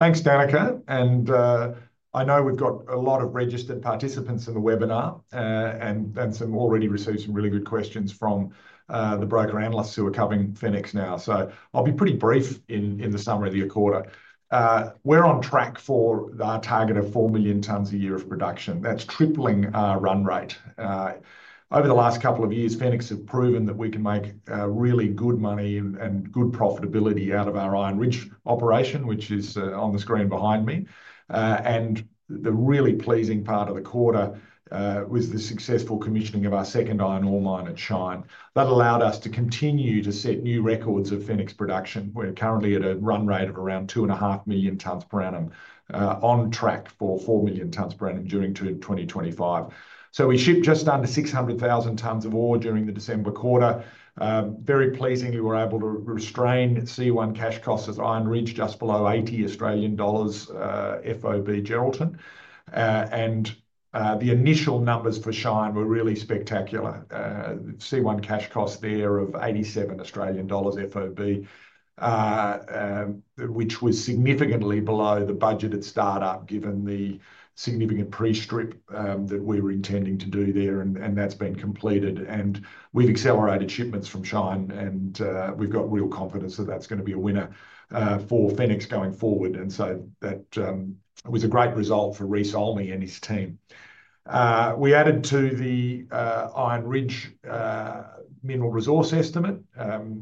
Thanks, Dannika. I know we've got a lot of registered participants in the webinar, and some already received some really good questions from the broker analysts who are covering Fenix now. So I'll be pretty brief in the summary of the quarter. We're on track for our target of four million tons a year of production. That's tripling our run rate. Over the last couple of years, Fenix have proven that we can make really good money and good profitability out of our Iron Ridge operation, which is on the screen behind me. The really pleasing part of the quarter was the successful commissioning of our second iron ore mine at Shine. That allowed us to continue to set new records of Fenix production. We're currently at a run rate of around 2.5 million tons per annum, on track for 4 million tons per annum during 2025. We shipped just under 600,000 tons of ore during the December quarter. Very pleasingly, we were able to restrain C1 cash costs at Iron Ridge just below 80 Australian dollars, FOB Geraldton, and the initial numbers for Shine were really spectacular. C1 cash costs there of AUD 87 FOB, which was significantly below the budget at startup given the significant pre-strip that we were intending to do there. And that's been completed. And we've accelerated shipments from Shine, and we've got real confidence that that's going to be a winner for Fenix going forward. And so that was a great result for Reece Olney and his team. We added to the Iron Ridge mineral resource estimate,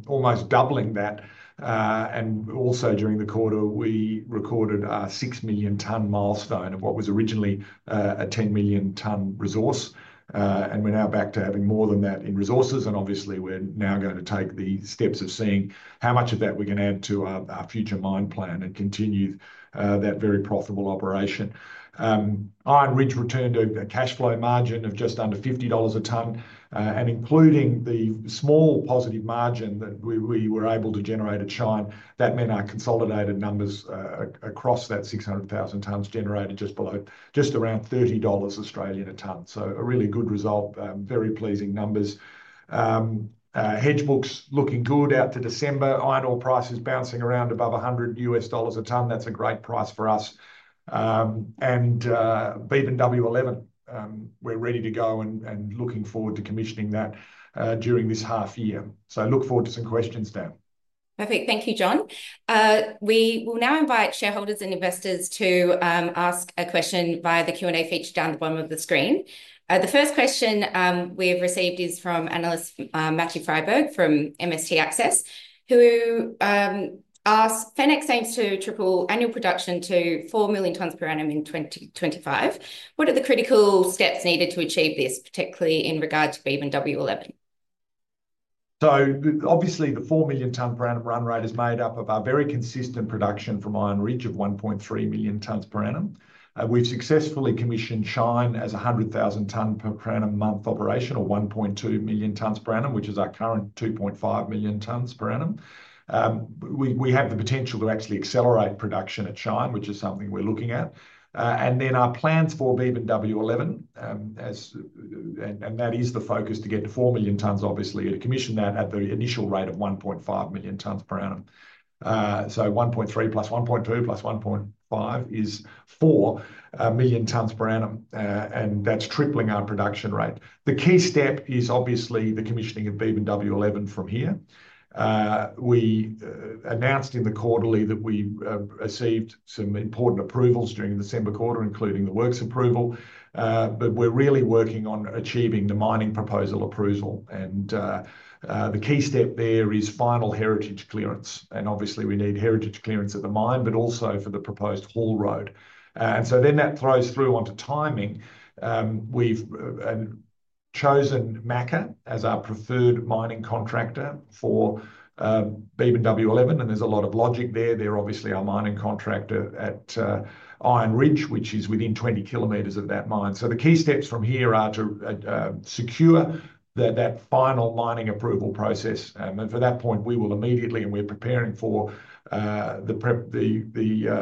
almost doubling that. And also during the quarter, we recorded our 6 million ton milestone of what was originally a 10 million ton resource. We're now back to having more than that in resources. Obviously, we're now going to take the steps of seeing how much of that we're going to add to our future mine plan and continue that very profitable operation. Iron Ridge returned a cash flow margin of just under 50 dollars a ton. And including the small positive margin that we were able to generate at Shine, that meant our consolidated numbers across that 600,000 tons generated just around 30 Australian dollars a ton. So a really good result, very pleasing numbers. Hedge books looking good out to December. Iron ore prices bouncing around above $100 a ton. That's a great price for us. Beebyn-W11, we're ready to go and looking forward to commissioning that during this half year. Look forward to some questions, Dan. Perfect. Thank you, John. We will now invite shareholders and investors to ask a question via the Q&A feature down the bottom of the screen. The first question we have received is from Analyst Matthew Fryba from MST Access, who asks, "Fenix aims to triple annual production to 4 million tons per annum in 2025. What are the critical steps needed to achieve this, particularly in regard to Beebyn-W11? Obviously, the 4 million ton per annum run rate is made up of our very consistent production from Iron Ridge of 1.3 million tons per annum. We've successfully commissioned Shine as a 100,000 ton per annum month operation or 1.2 million tons per annum, which is our current 2.5 million tons per annum. We have the potential to actually accelerate production at Shine, which is something we're looking at. Then our plans for Beebyn-W11, and that is the focus to get to 4 million tons, obviously, and commission that at the initial rate of 1.5 million tons per annum. 1.3 plus 1.2 plus 1.5 is 4 million tons per annum. That's tripling our production rate. The key step is obviously the commissioning of Beebyn-W11 from here. We announced in the quarterly that we received some important approvals during the December quarter, including the Works Approval. But we're really working on achieving the Mining Proposal approval. And the key step there is final Heritage Clearance. And obviously, we need Heritage Clearance at the mine, but also for the proposed haul road. And so then that throws through onto timing. We've chosen MACA as our preferred mining contractor for Beebyn-W11. And there's a lot of logic there. They're obviously our mining contractor at Iron Ridge, which is within 20 kilometers of that mine. So the key steps from here are to secure that final mining approval process. And for that point, we will immediately and we're preparing for the prep, the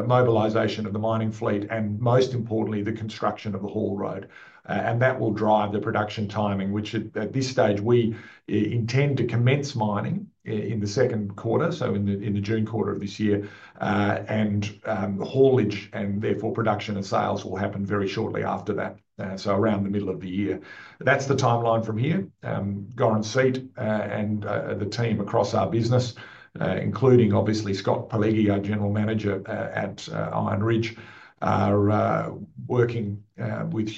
mobilization of the mining fleet and most importantly, the construction of the haul road. That will drive the production timing, which at this stage we intend to commence mining in the second quarter, so in the June quarter of this year. The haulage and therefore production and sales will happen very shortly after that, so around the middle of the year. That's the timeline from here. Goran Sajatovic and the team across our business, including obviously Scott Pileggi, our general manager at Iron Ridge, are working with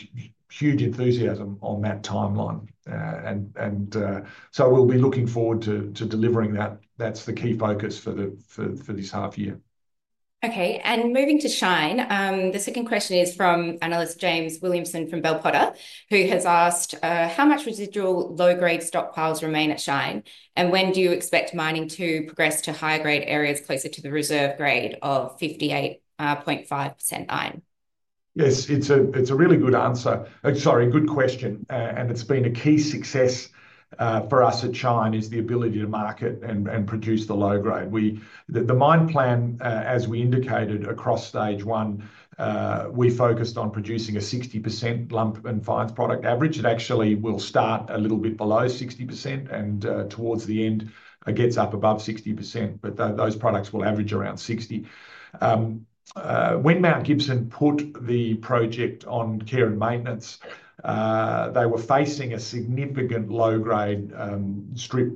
huge enthusiasm on that timeline. We will be looking forward to delivering that. That's the key focus for this half year. Okay. And moving to Shine, the second question is from analyst James Williamson from Bell Potter, who has asked, how much residual low grade stockpiles remain at Shine and when do you expect mining to progress to higher grade areas closer to the reserve grade of 58.5% iron? Yes, it's a really good answer. Sorry, good question, and it's been a key success for us at Shine is the ability to market and produce the low grade. The mine plan, as we indicated across stage one, we focused on producing a 60% lump and fines product average. It actually will start a little bit below 60% and towards the end, it gets up above 60%, but those products will average around 60%. When Mount Gibson put the project on care and maintenance, they were facing a significant low grade strip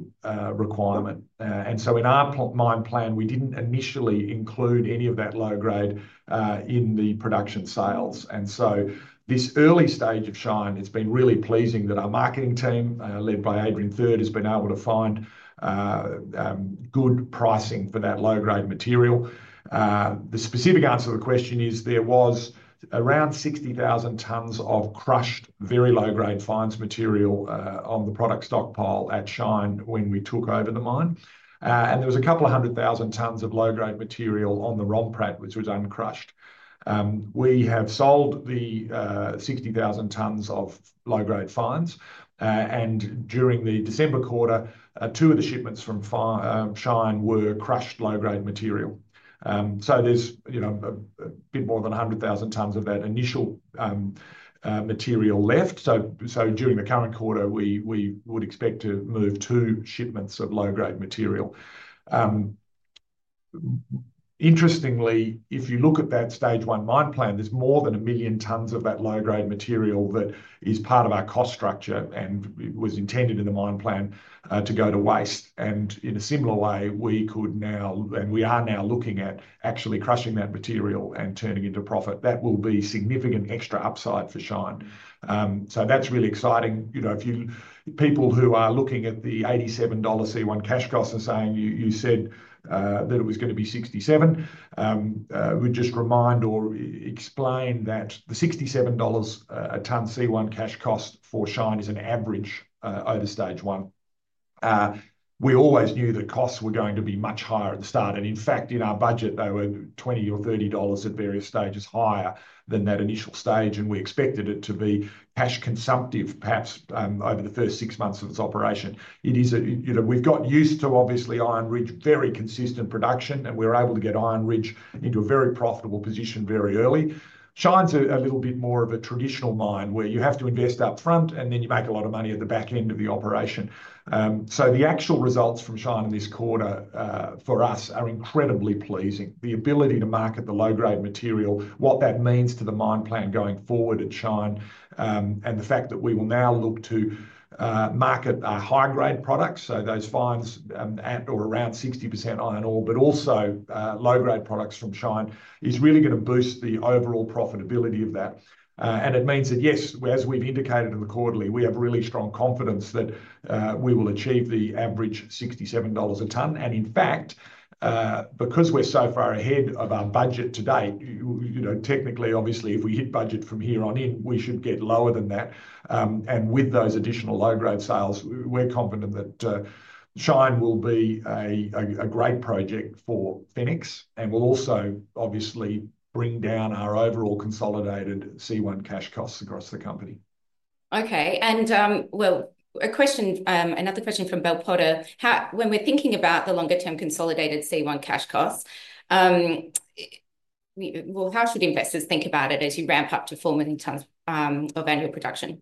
requirement, and so in our mine plan, we didn't initially include any of that low grade in the production sales, and so this early stage of Shine, it's been really pleasing that our marketing team, led by Adrian Third, has been able to find good pricing for that low grade material. The specific answer to the question is there was around 60,000 tons of crushed, very low grade fines material on the product stockpile at Shine when we took over the mine. There was a couple of hundred thousand tons of low grade material on the ROM pad, which was uncrushed. We have sold the 60,000 tons of low grade fines. During the December quarter, two of the shipments from Shine were crushed low grade material. So there's you know a bit more than 100,000 tons of that initial material left. So during the current quarter, we would expect to move two shipments of low grade material. Interestingly, if you look at that stage one mine plan, there's more than a million tons of that low grade material that is part of our cost structure and was intended in the mine plan to go to waste. And in a similar way, we could now, and we are now looking at actually crushing that material and turning into profit. That will be significant extra upside for Shine. So that's really exciting. You know, if you people who are looking at the $87 C1 cash costs are saying, you said that it was going to be 67, we'd just remind or explain that the $67 a ton C1 cash cost for Shine is an average over stage one. We always knew that costs were going to be much higher at the start. And in fact, in our budget, they were $20 or $30 at various stages higher than that initial stage. And we expected it to be cash consumptive, perhaps, over the first six months of its operation. It is, you know, we've got used to obviously Iron Ridge, very consistent production, and we're able to get Iron Ridge into a very profitable position very early. Shine's a little bit more of a traditional mine where you have to invest upfront and then you make a lot of money at the back end of the operation, so the actual results from Shine in this quarter, for us are incredibly pleasing. The ability to market the low grade material, what that means to the mine plan going forward at Shine, and the fact that we will now look to market our high grade products, so those fines, at or around 60% iron ore, but also low grade products from Shine is really going to boost the overall profitability of that. It means that yes, as we've indicated in the quarterly, we have really strong confidence that we will achieve the average $67 a ton. In fact, because we're so far ahead of our budget today, you know, technically, obviously, if we hit budget from here on in, we should get lower than that. With those additional low grade sales, we're confident that Shine will be a great project for Fenix and will also obviously bring down our overall consolidated C1 cash costs across the company. Another question from Bell Potter, how, when we're thinking about the longer term consolidated C1 cash costs, well, how should investors think about it as you ramp up to 4 million tons of annual production?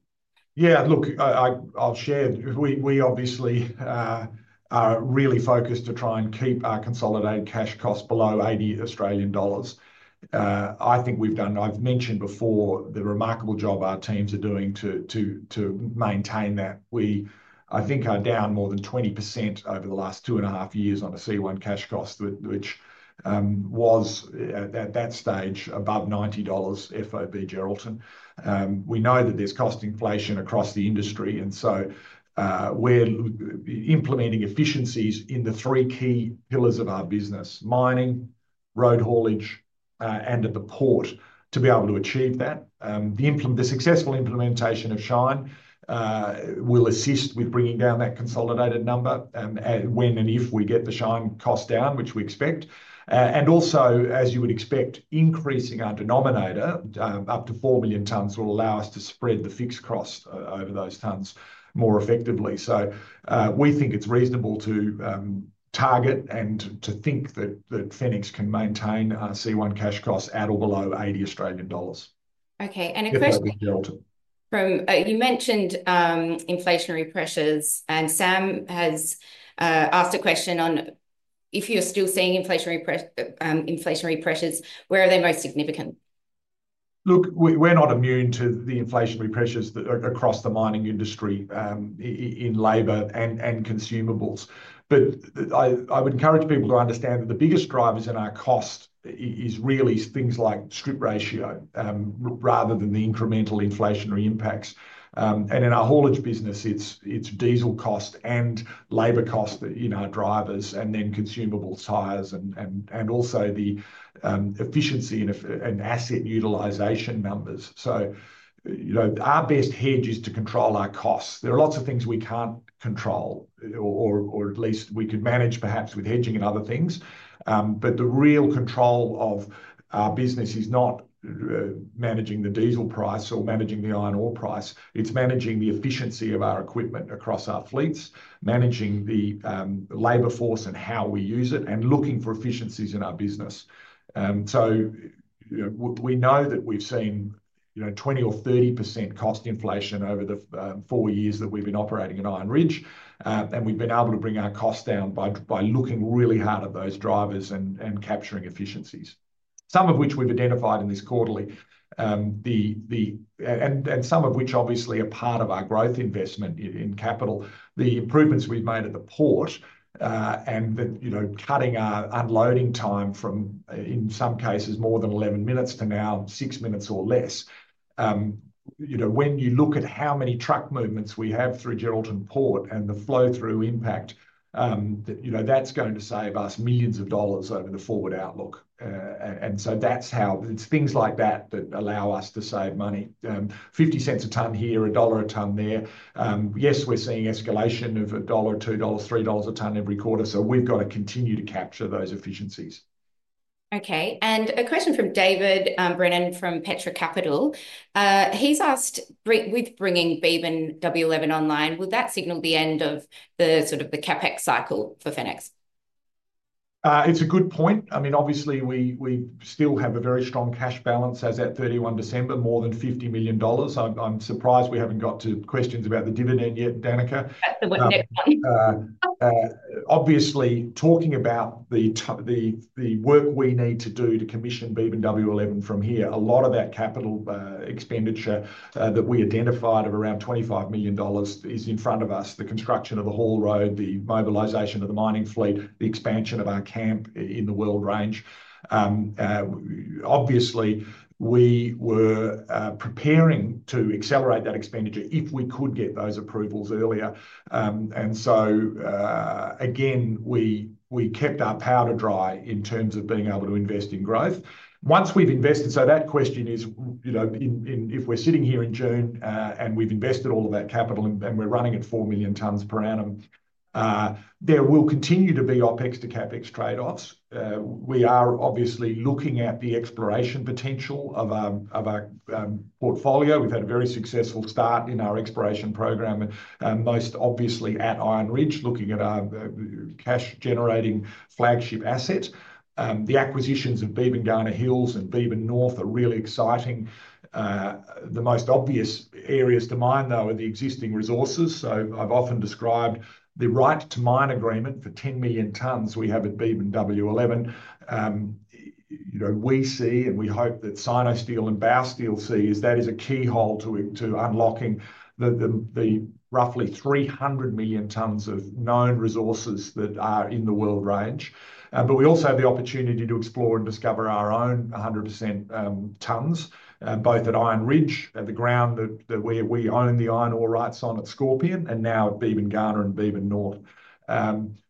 Yeah, look, I'll share. We obviously are really focused to try and keep our consolidated cash costs below 80 Australian dollars. I think we've done, I've mentioned before the remarkable job our teams are doing to maintain that. I think we are down more than 20% over the last two and a half years on a C1 cash cost, which was at that stage above 90 dollars FOB Geraldton. We know that there's cost inflation across the industry. And so, we're implementing efficiencies in the three key pillars of our business, mining, road haulage, and at the port to be able to achieve that. The successful implementation of Shine will assist with bringing down that consolidated number, when and if we get the Shine cost down, which we expect. And also, as you would expect, increasing our denominator up to 4 million tons will allow us to spread the fixed cost over those tons more effectively. So, we think it's reasonable to target and to think that that Fenix can maintain our C1 cash costs at or below 80 Australian dollars. Okay. And a question from, you mentioned, inflationary pressures. And Sam has asked a question on if you're still seeing inflationary pressures, where are they most significant? Look, we're not immune to the inflationary pressures that across the mining industry, in labor and consumables. But I would encourage people to understand that the biggest drivers in our cost is really things like strip ratio, rather than the incremental inflationary impacts, and in our haulage business, it's diesel costs and labor costs that, you know, our drivers and then consumable tires and also the efficiency and asset utilization numbers. So, you know, our best hedge is to control our costs. There are lots of things we can't control or at least we could manage perhaps with hedging and other things, but the real control of our business is not managing the diesel price or managing the iron ore price. It's managing the efficiency of our equipment across our fleets, managing the labor force and how we use it and looking for efficiencies in our business. You know, we know that we've seen, you know, 20% or 30% cost inflation over the four years that we've been operating in Iron Ridge. We've been able to bring our costs down by looking really hard at those drivers and capturing efficiencies, some of which we've identified in this quarterly, and some of which obviously are part of our growth investment in capital, the improvements we've made at the port, and, you know, cutting our unloading time from, in some cases, more than 11 minutes to now six minutes or less. You know, when you look at how many truck movements we have through Geraldton Port and the flow through impact, that, you know, that's going to save us millions of dollars over the forward outlook. And so that's how it's things like that that allow us to save money. 0.50 a ton here, AUD 1 a ton there. Yes, we're seeing escalation of AUD 1, 2 dollars, 3 dollars a ton every quarter. So we've got to continue to capture those efficiencies. Okay. And a question from David Brennan from Petra Capital. He's asked, with bringing Beebyn-W11 online, would that signal the end of the sort of the CapEx cycle for Fenix? It's a good point. I mean, obviously we still have a very strong cash balance as at 31 December, more than 50 million dollars. I'm surprised we haven't got to questions about the dividend yet, Dannika. That's the next one. Obviously talking about the work we need to do to commission Beebyn-W11 from here, a lot of that capital expenditure that we identified of around 25 million dollars is in front of us. The construction of the haul road, the mobilization of the mining fleet, the expansion of our camp in the Weld Range. Obviously we were preparing to accelerate that expenditure if we could get those approvals earlier. And so, again, we kept our powder dry in terms of being able to invest in growth. Once we've invested, so that question is, you know, in if we're sitting here in June, and we've invested all of that capital and we're running at four million tons per annum, there will continue to be OpEx to CapEx trade-offs. We are obviously looking at the exploration potential of our portfolio. We've had a very successful start in our exploration program, most obviously at Iron Ridge, looking at our cash generating flagship asset. The acquisitions of Beebyn-Gardner and Beebyn North are really exciting. The most obvious areas to mine though are the existing resources. So I've often described the right to mine agreement for 10 million tons we have at Beebyn-W11. You know, we see, and we hope that Sinosteel and Baosteel see is that is a key hole to unlocking the roughly 300 million tons of known resources that are in the Weld Range. But we also have the opportunity to explore and discover our own 100% tons, both at Iron Ridge at the ground that we own the iron ore rights on at Scorpion and now at Beebyn-Gardner and Beebyn North.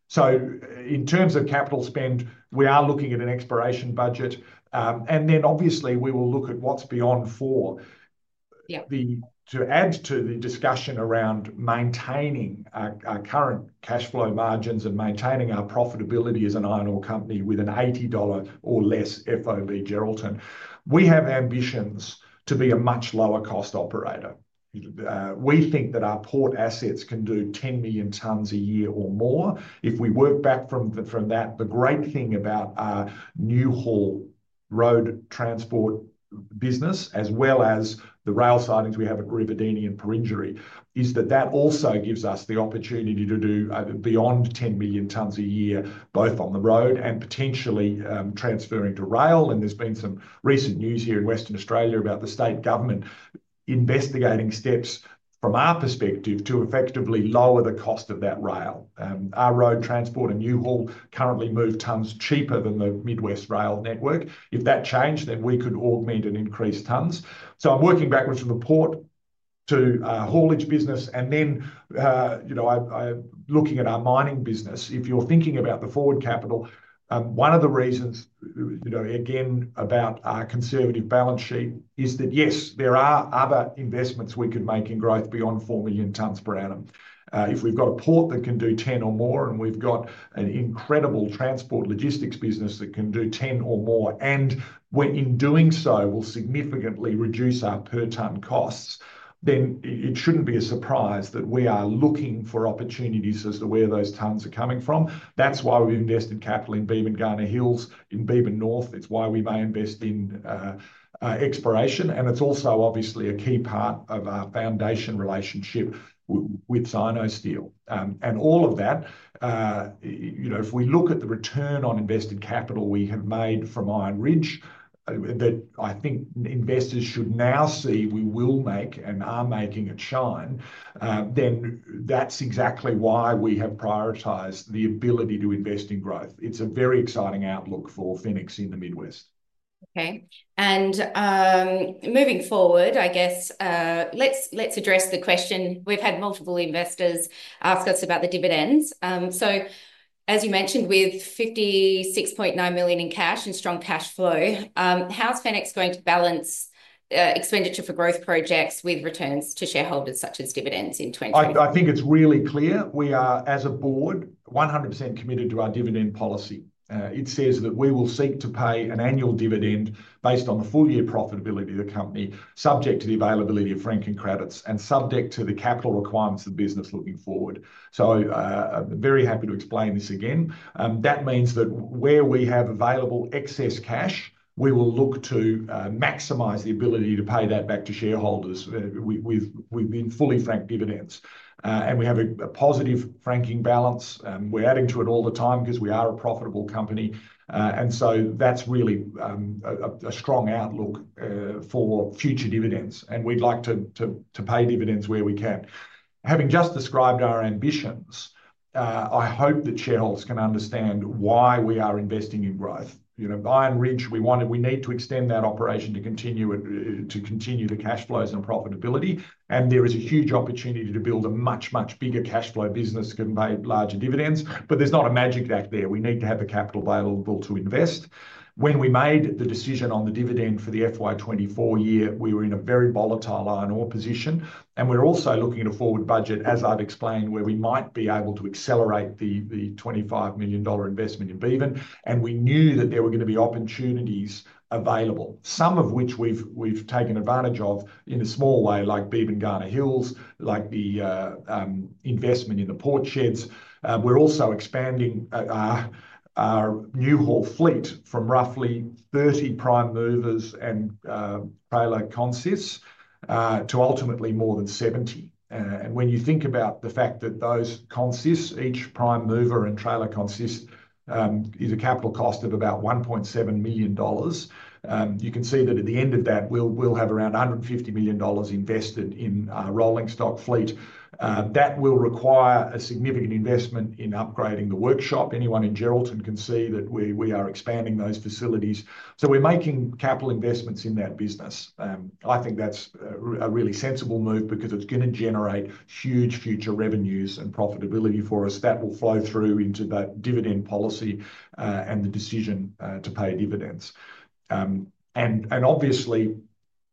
So in terms of capital spend, we are looking at an exploration budget. And then obviously we will look at what's beyond four. Yeah. To add to the discussion around maintaining our current cash flow margins and maintaining our profitability as an iron ore company with an $80 or less FOB Geraldton, we have ambitions to be a much lower cost operator. We think that our port assets can do 10 million tons a year or more. If we work back from that, the great thing about our Newhaul road transport business, as well as the rail sidings we have at Rivedara and Perenjori, is that also gives us the opportunity to do beyond 10 million tons a year, both on the road and potentially, transferring to rail, and there's been some recent news here in Western Australia about the state government investigating steps from our perspective to effectively lower the cost of that rail. Our road transport and Newhaul currently move tons cheaper than the Mid West rail network. If that changed, then we could augment and increase tons. So I'm working backwards from the port to our haulage business. And then, you know, I'm looking at our mining business, if you're thinking about the forward capital, one of the reasons, you know, again, about our conservative balance sheet is that yes, there are other investments we could make in growth beyond 4 million tons per annum. If we've got a port that can do 10 or more and we've got an incredible transport logistics business that can do 10 or more, and in doing so will significantly reduce our per ton costs, then it shouldn't be a surprise that we are looking for opportunities as to where those tons are coming from. That's why we've invested capital in Beebyn-Gardner, in Beebyn North. It's why we may invest in exploration. And it's also obviously a key part of our foundation relationship with Sinosteel, and all of that, you know, if we look at the return on invested capital we have made from Iron Ridge, that I think investors should now see we will make and are making at Shine, then that's exactly why we have prioritized the ability to invest in growth. It's a very exciting outlook for Fenix in the Mid West. Okay. And, moving forward, I guess, let's address the question. We've had multiple investors ask us about the dividends. So as you mentioned, with 56.9 million in cash and strong cash flow, how's Fenix going to balance, expenditure for growth projects with returns to shareholders such as dividends in 2024? I think it's really clear. We are, as a board, 100% committed to our dividend policy. It says that we will seek to pay an annual dividend based on the full year profitability of the company, subject to the availability of franking credits and subject to the capital requirements of the business looking forward. So, I'm very happy to explain this again. That means that where we have available excess cash, we will look to maximize the ability to pay that back to shareholders. We've been fully franked dividends, and we have a positive franking balance. We're adding to it all the time because we are a profitable company. That's really a strong outlook for future dividends. We'd like to pay dividends where we can. Having just described our ambitions, I hope that shareholders can understand why we are investing in growth. You know, Iron Ridge, we wanted, we need to extend that operation to continue the cash flows and profitability, and there is a huge opportunity to build a much, much bigger cash flow business that can pay larger dividends. But there's not a magic act there. We need to have the capital available to invest. When we made the decision on the dividend for the FY24 year, we were in a very volatile iron ore position, and we're also looking at a forward budget, as I've explained, where we might be able to accelerate the 25 million dollar investment in Beebyn. And we knew that there were going to be opportunities available, some of which we've taken advantage of in a small way, like Beebyn-Gardner Hills, like the investment in the port sheds. We're also expanding our Newhaul fleet from roughly 30 prime movers and trailer consists to ultimately more than 70. And when you think about the fact that those consists, each prime mover and trailer consists, is a capital cost of about 1.7 million dollars, you can see that at the end of that, we'll have around 150 million dollars invested in our rolling stock fleet. That will require a significant investment in upgrading the workshop. Anyone in Geraldton can see that we are expanding those facilities. So we're making capital investments in that business. I think that's a really sensible move because it's going to generate huge future revenues and profitability for us that will flow through into that dividend policy, and the decision to pay dividends. Obviously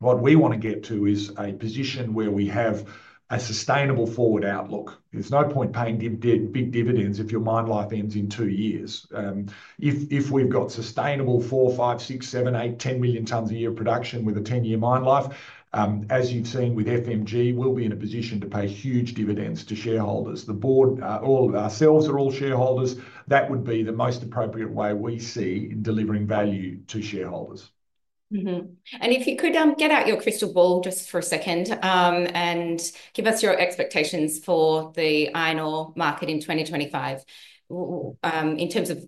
what we want to get to is a position where we have a sustainable forward outlook. There's no point paying really big dividends if your mine life ends in two years. If we've got sustainable four, five, six, seven, eight, 10 million tons a year production with a 10-year mine life, as you've seen with FMG, we'll be in a position to pay huge dividends to shareholders. The board, all of ourselves are all shareholders. That would be the most appropriate way we see in delivering value to shareholders. And if you could get out your crystal ball just for a second, and give us your expectations for the iron ore market in 2025, in terms of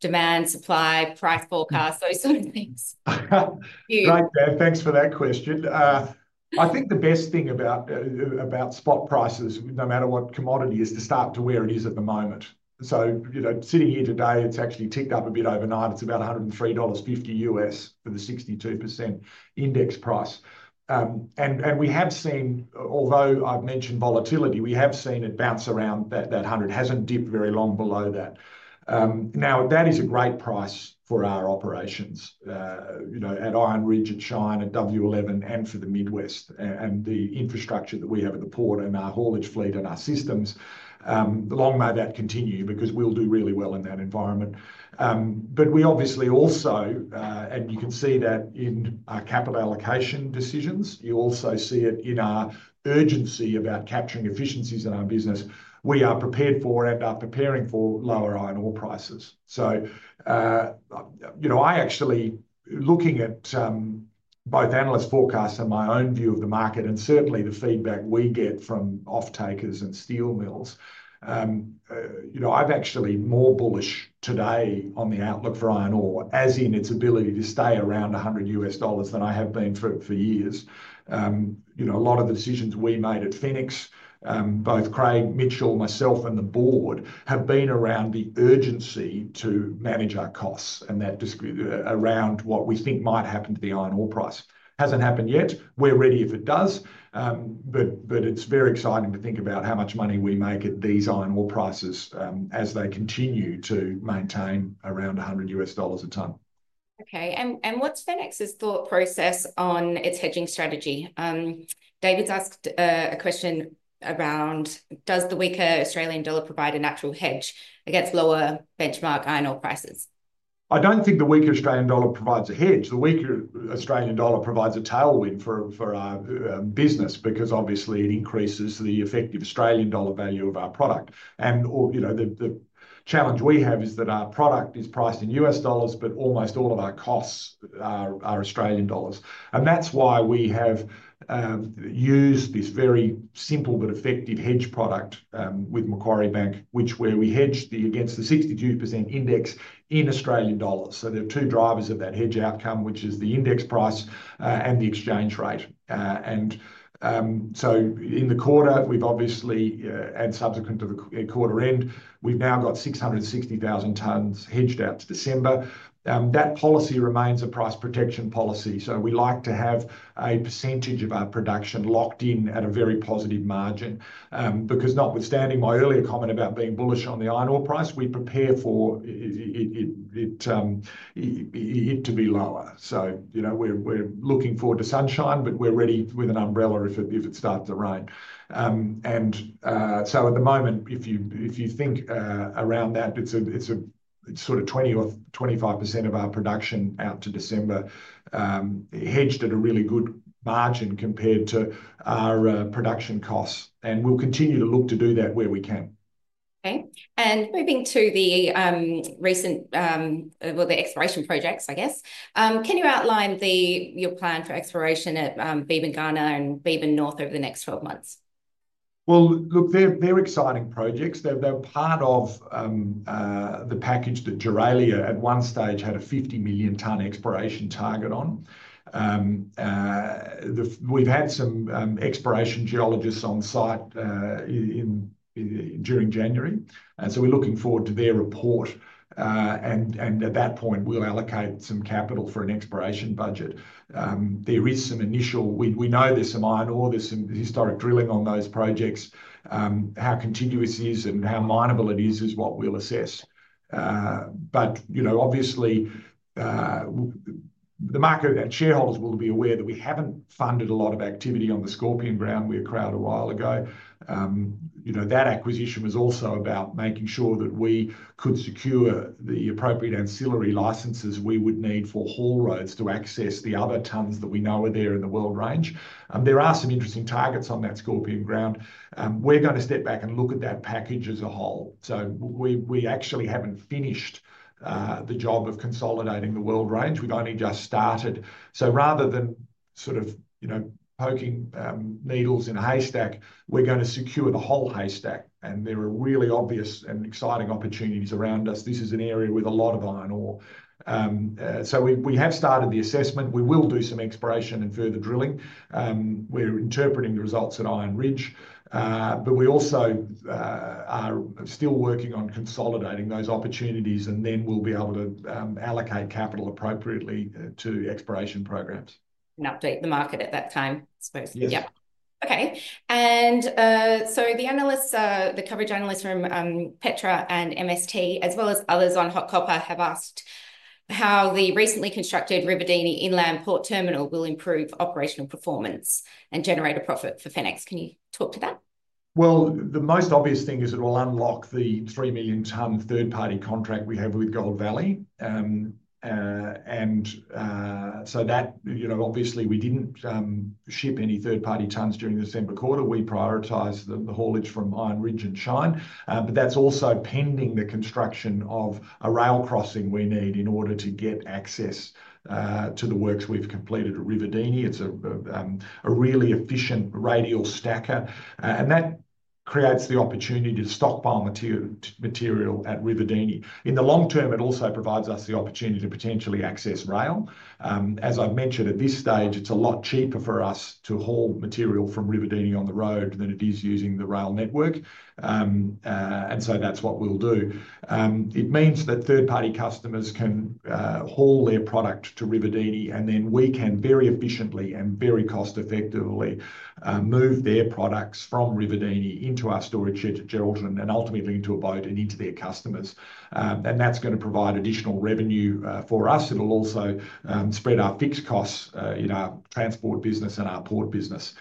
demand, supply, price forecast, those sort of things? Right there. Thanks for that question. I think the best thing about spot prices, no matter what commodity is, to start to where it is at the moment. So, you know, sitting here today, it's actually ticked up a bit overnight. It's about $103.50 for the 62% index price. And we have seen, although I've mentioned volatility, we have seen it bounce around that 100. Hasn't dipped very long below that. Now that is a great price for our operations, you know, at Iron Ridge, at Shine, at W11, and for the Mid West and the infrastructure that we have at the port and our haulage fleet and our systems. Long may that continue because we'll do really well in that environment. But we obviously also, and you can see that in our capital allocation decisions, you also see it in our urgency about capturing efficiencies in our business. We are prepared for and are preparing for lower iron ore prices. So, you know, I actually looking at, both analyst forecasts and my own view of the market and certainly the feedback we get from offtakers and steel mills, you know, I've actually more bullish today on the outlook for iron ore, as in its ability to stay around $100 than I have been for, for years. You know, a lot of the decisions we made at Fenix, both Craig Mitchell, myself, and the board have been around the urgency to manage our costs and that disagreement around what we think might happen to the iron ore price. Hasn't happened yet. We're ready if it does. But it's very exciting to think about how much money we make at these iron ore prices, as they continue to maintain around $100 a ton. Okay, and what's Fenix's thought process on its hedging strategy? David's asked a question around does the weaker Australian dollar provide an actual hedge against lower benchmark iron ore prices? I don't think the weaker Australian dollar provides a hedge. The weaker Australian dollar provides a tailwind for our business because obviously it increases the effective Australian dollar value of our product. You know, the challenge we have is that our product is priced in US dollars, but almost all of our costs are Australian dollars. And that's why we have used this very simple but effective hedge product with Macquarie Bank, where we hedge against the 62% index in Australian dollars. So there are two drivers of that hedge outcome, which is the index price and the exchange rate. So in the quarter, we've obviously, and subsequent to the quarter end, we've now got 660,000 tons hedged out to December. That policy remains a price protection policy. So we like to have a percentage of our production locked in at a very positive margin because notwithstanding my earlier comment about being bullish on the iron ore price, we prepare for it to be lower. So, you know, we're looking forward to sunshine, but we're ready with an umbrella if it starts to rain. And so at the moment, if you think around that, it's sort of 20 or 25% of our production out to December, hedged at a really good margin compared to our production costs. And we'll continue to look to do that where we can. Okay. Moving to the recent, well, the exploration projects, I guess, can you outline your plan for exploration at Beebyn-Gardner and Beebyn North over the next 12 months? Look, they're exciting projects. They're part of the package that Geraldton at one stage had a 50 million ton exploration target on. We've had some exploration geologists on site during January. So we're looking forward to their report. At that point, we'll allocate some capital for an exploration budget. There is some initial. We know there's some iron ore, there's some historic drilling on those projects. How contiguous it is and how minable it is is what we'll assess. You know, obviously, the market and shareholders will be aware that we haven't funded a lot of activity on the Scorpion ground we acquired a while ago. You know, that acquisition was also about making sure that we could secure the appropriate ancillary licenses we would need for haul roads to access the other tons that we know are there in the Weld Range. There are some interesting targets on that Scorpion ground. We're going to step back and look at that package as a whole. We actually haven't finished the job of consolidating the Weld Range. We've only just started. Rather than sort of, you know, poking needles in a haystack, we're going to secure the whole haystack. There are really obvious and exciting opportunities around us. This is an area with a lot of iron ore. We have started the assessment. We will do some exploration and further drilling. We're interpreting the results at Iron Ridge. But we also are still working on consolidating those opportunities and then we'll be able to allocate capital appropriately to exploration programs. And update the market at that time, I suppose. Yep. Okay. And, so the analysts, the coverage analysts from Petra and MST, as well as others on HotCopper, have asked how the recently constructed Rivedara Inland Port Terminal will improve operational performance and generate a profit for Fenix. Can you talk to that? The most obvious thing is it will unlock the 3 million ton third party contract we have with Gold Valley, so that you know, obviously we didn't ship any third party tons during the December quarter. We prioritized the haulage from Iron Ridge and Shine. That's also pending the construction of a rail crossing we need in order to get access to the works we've completed at Rivedara. It's a really efficient radial stacker, and that creates the opportunity to stockpile material at Rivedara. In the long term, it also provides us the opportunity to potentially access rail. As I've mentioned at this stage, it's a lot cheaper for us to haul material from Rivedara on the road than it is using the rail network, and so that's what we'll do. It means that third party customers can haul their product to Rivedara and then we can very efficiently and very cost effectively move their products from Rivedara into our storage shed at Geraldton and ultimately into a boat and into their customers. And that's going to provide additional revenue for us. It'll also spread our fixed costs in our transport business and our port business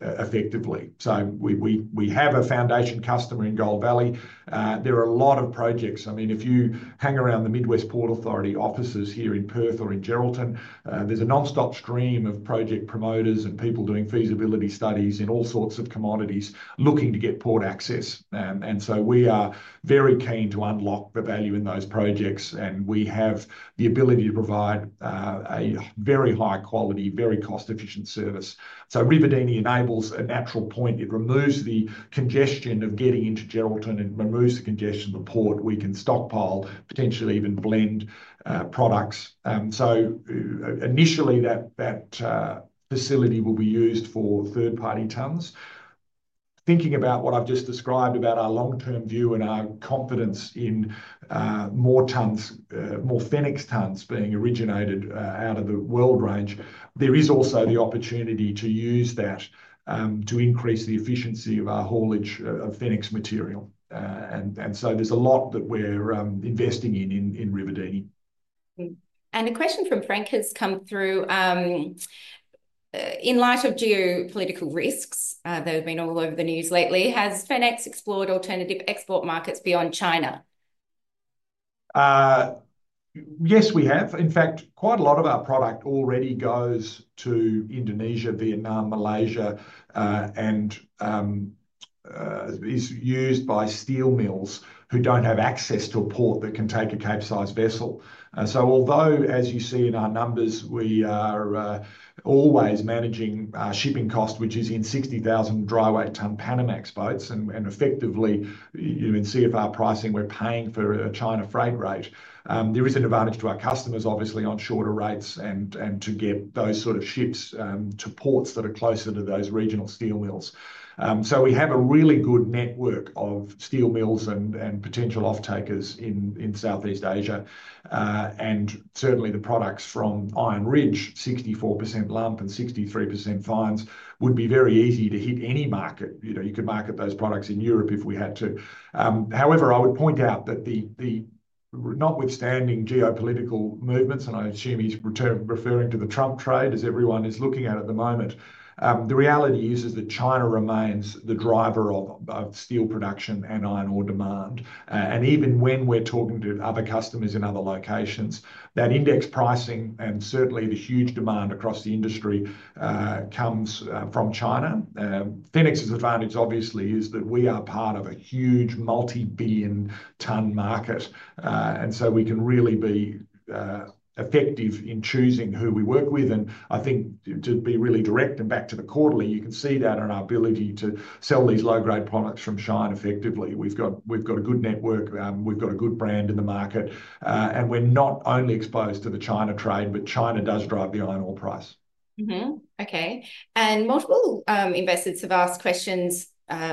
effectively. So we have a foundation customer in Gold Valley. There are a lot of projects. I mean, if you hang around the Mid West Ports Authority offices here in Perth or in Geraldton, there's a nonstop stream of project promoters and people doing feasibility studies in all sorts of commodities looking to get port access. And so we are very keen to unlock the value in those projects and we have the ability to provide a very high quality, very cost efficient service. So Rivedara enables a natural point. It removes the congestion of getting into Geraldton and removes the congestion of the port. We can stockpile, potentially even blend, products. So initially that facility will be used for third party tons. Thinking about what I've just described about our long term view and our confidence in more tons, more Fenix tons being originated out of the Weld Range, there is also the opportunity to use that to increase the efficiency of our haulage of Fenix material. And so there's a lot that we're investing in Rivedara. A question from Frank has come through, in light of geopolitical risks that have been all over the news lately. Has Fenix explored alternative export markets beyond China? Yes, we have. In fact, quite a lot of our product already goes to Indonesia, Vietnam, Malaysia, and is used by steel mills who don't have access to a port that can take a Capesize vessel. So although, as you see in our numbers, we are always managing shipping costs, which is in 60,000 dry weight ton Panamax boats and effectively you can see if our pricing, we're paying for a China freight rate. There is an advantage to our customers, obviously on shorter rates and to get those sort of ships to ports that are closer to those regional steel mills. So we have a really good network of steel mills and potential off takers in Southeast Asia. And certainly the products from Iron Ridge, 64% lump and 63% fines would be very easy to hit any market. You know, you could market those products in Europe if we had to. However, I would point out that the notwithstanding geopolitical movements, and I assume he's referring to the Trump trade as everyone is looking at the moment. The reality is that China remains the driver of steel production and iron ore demand. Even when we're talking to other customers in other locations, that index pricing and certainly the huge demand across the industry comes from China. Fenix's advantage obviously is that we are part of a huge multi-billion ton market. So we can really be effective in choosing who we work with. I think to be really direct and back to the quarterly, you can see that in our ability to sell these low grade products from Shine effectively. We've got a good network. We've got a good brand in the market, and we're not only exposed to the China trade, but China does drive the iron ore price. Okay. And multiple investors have asked questions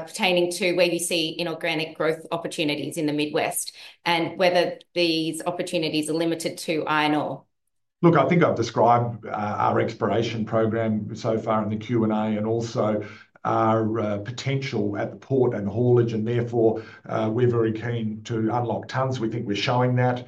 pertaining to where you see inorganic growth opportunities in the Mid West and whether these opportunities are limited to iron ore. Look, I think I've described our exploration program so far in the Q&A and also our potential at the port and haulage. And therefore, we're very keen to unlock tons. We think we're showing that.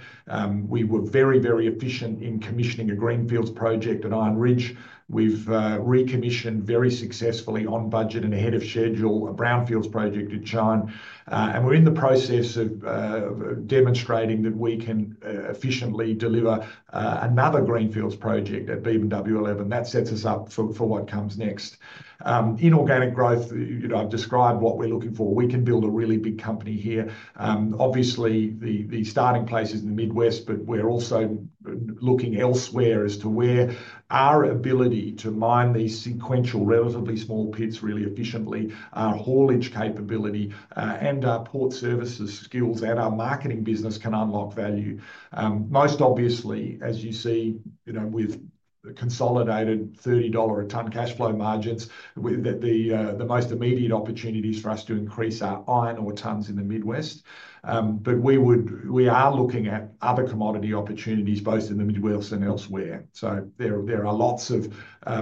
We were very, very efficient in commissioning a greenfields project at Iron Ridge. We've recommissioned very successfully on budget and ahead of schedule a brownfields project at Shine. And we're in the process of demonstrating that we can efficiently deliver another greenfields project at Beebyn-W11. That sets us up for what comes next. Inorganic growth, you know, I've described what we're looking for. We can build a really big company here. Obviously, the starting place is in the Mid West, but we're also looking elsewhere as to where our ability to mine these sequential relatively small pits really efficiently, our haulage capability, and our port services skills and our marketing business can unlock value. Most obviously, as you see, you know, with consolidated $30 a ton cash flow margins, the most immediate opportunities for us to increase our iron ore tons in the Mid West, but we are looking at other commodity opportunities both in the Mid West and elsewhere, so there are lots of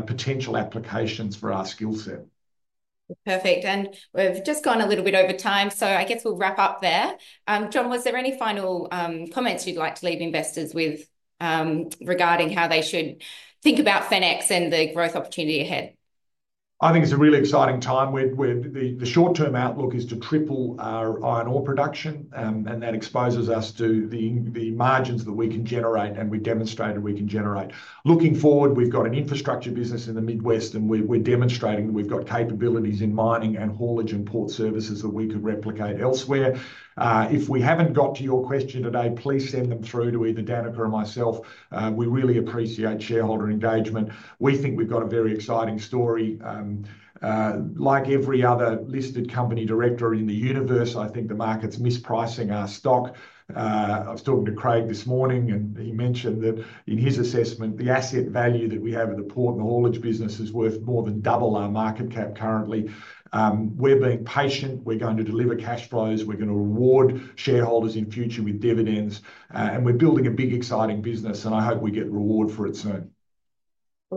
potential applications for our skill set. Perfect. And we've just gone a little bit over time. So I guess we'll wrap up there. John, was there any final, comments you'd like to leave investors with, regarding how they should think about Fenix and the growth opportunity ahead? I think it's a really exciting time. The short-term outlook is to triple our iron ore production. That exposes us to the margins that we can generate and we demonstrated we can generate. Looking forward, we've got an infrastructure business in the Mid West and we're demonstrating that we've got capabilities in mining and haulage and port services that we could replicate elsewhere. If we haven't got to your question today, please send them through to either Dannika or myself. We really appreciate shareholder engagement. We think we've got a very exciting story. Like every other listed company director in the universe, I think the market's mispricing our stock. I was talking to Craig this morning and he mentioned that in his assessment, the asset value that we have at the port and the haulage business is worth more than double our market cap currently. We're being patient. We're going to deliver cash flows. We're going to reward shareholders in future with dividends, and we're building a big exciting business and I hope we get reward for it soon.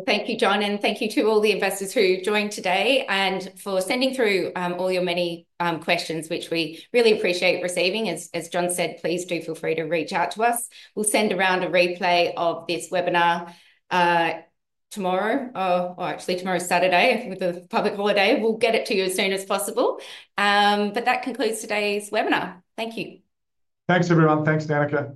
Thank you, John, and thank you to all the investors who joined today and for sending through all your many questions, which we really appreciate receiving. As John said, please do feel free to reach out to us. We'll send around a replay of this webinar tomorrow, or actually tomorrow's Saturday with a public holiday. We'll get it to you as soon as possible. But that concludes today's webinar. Thank you. Thanks everyone. Thanks, Dannika.